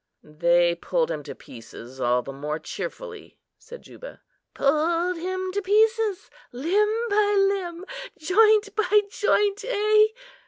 "They pulled him to pieces all the more cheerfully," said Juba. "Pulled him to pieces, limb by limb, joint by joint, eh?"